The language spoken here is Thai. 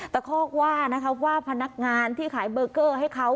คอกว่านะคะว่าพนักงานที่ขายเบอร์เกอร์ให้เขา